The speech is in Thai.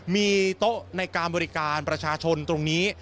มีโต๊ะในการบริการประชาชนตรงนี้